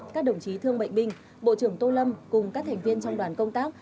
các đồng chí thương bệnh binh bộ trưởng tô lâm cùng các thành viên trong đoàn công tác